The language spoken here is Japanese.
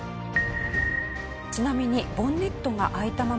ちなみにボンネットが開いたまま走行すると。